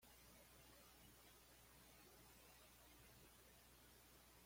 Se ha observado algún divagante en la isla de Navidad.